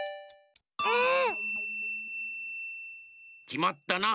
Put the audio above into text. きまったな。